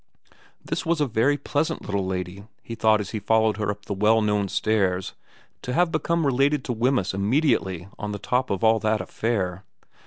This was a very pleasant little lady, he thought as he followed her up the well known stairs, to have become related to Wemyss immediately on the top of all that affair.